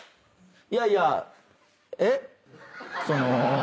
いやいやえっ？